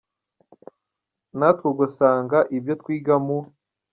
natwe ugasanga ibyo twiga mu.